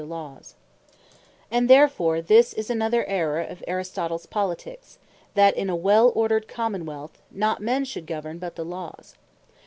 That Not Men, But Law Governs And therefore this is another Errour of Aristotles Politiques, that in a wel ordered Common wealth, not Men should govern, but the Laws.